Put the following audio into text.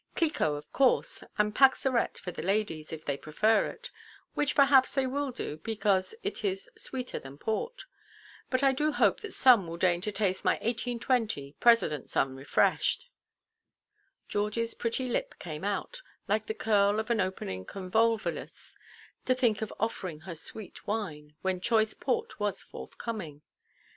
Clicquot, of course, and Paxarette for the ladies, if they prefer it; which perhaps they will do because it is sweeter than port. But I do hope that some will deign to taste my 1820, Presidentʼs unrefreshed." Georgieʼs pretty lip came out, like the curl of an opening convolvulus; to think of offering her sweet wine, when choice port was forthcoming.